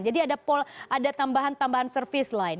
jadi ada tambahan tambahan service lain